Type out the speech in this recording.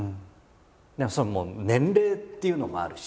でもそれもう年齢っていうのもあるし。